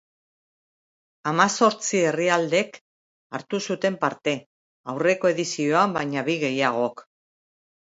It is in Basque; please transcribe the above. Hamazortzi herrialdek hartu zuten parte, aurreko edizioan baina bi gehiagok.